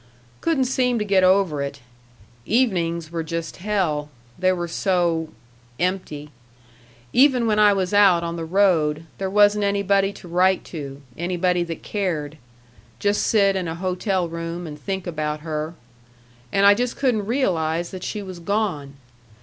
Couldn't seem to get over it. Evenings were just hell; they were so empty. Even when I was out on the road, there wasn't anybody to write to, anybody that cared. Just sit in a hotel room and think about her. And I just couldn't realize that she was gone.